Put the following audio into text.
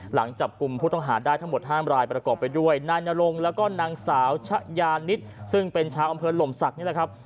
หลังจับกลุ่มผู้ต้องหาได้ทั้งหมดห้ามรายประกอบไปด้วยนายนรงแล้วก็นางสาวชะยานิดซึ่งเป็นชาวอำเภอหล่มศักดิ์นี่แหละครับ